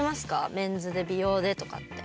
メンズで、美容でとかって。